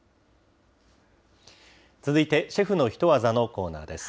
続いて、シェフのヒトワザのコーナーです。